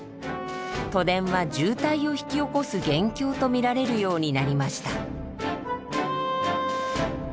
都電は渋滞を引き起こす元凶と見られるようになりました。